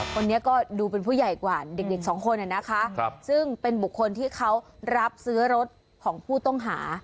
คนนี้ก็ดูเป็นผู้ใหญ่กว่าเด็กสองคนนะคะซึ่งเป็นบุคคลที่เขารับซื้อรถของผู้ต้องหา